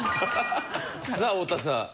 さあ太田さん。